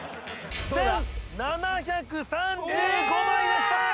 １７３５枚でした！